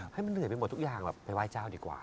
ให้มันเหนื่อยไปหมดทุกอย่างแบบไปไหว้เจ้าดีกว่า